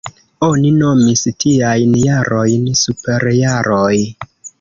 Oni nomis tiajn jarojn superjaroj.